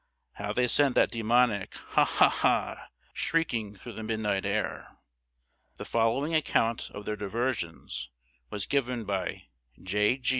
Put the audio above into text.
How they sent that demoniac "Ha! ha! ha!" shrieking through the midnight air! The following account of their diversions was given by "J.